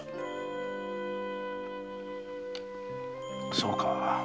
そうか。